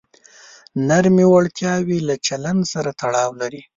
نرمې وړتیاوې له چلند سره تړاو لري.